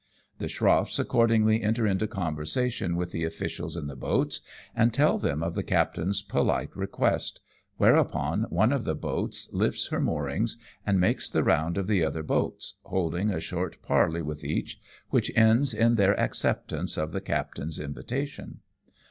The scroffs accordingly enter, into conversation with the officials in the boats, and tell them of the captain^s polite request, whereupon one of the boats lifts her moorings, and makes the round of the other boats, holding a short parley with each, which ends in their acceptance of the captain's invitation.